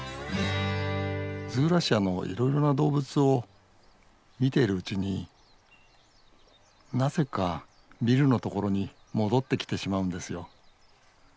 ズーラシアのいろいろな動物を見ているうちになぜかニルのところに戻ってきてしまうんですよ。